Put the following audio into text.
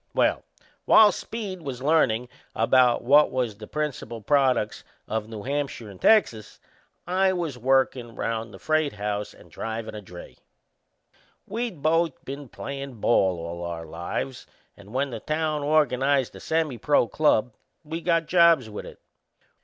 Well, while Speed was learnin' what was the principal products o' New Hampshire and Texas I was workin' round the freight house and drivin' a dray. We'd both been playin' ball all our lives; and when the town organized a semi pro club we got jobs with it.